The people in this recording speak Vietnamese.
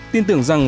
tin tưởng rằng